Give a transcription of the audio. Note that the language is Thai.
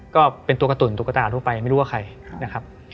ก็เป็นตัวกระตุ๋นตุ๊กตาทั่วไปไม่รู้ว่าใครนะครับ